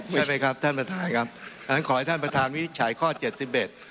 ใช่ไหมครับท่านประธานครับอันนั้นขอให้ท่านประธานวินิจฉัยข้อเจ็ดสิบเอ็ด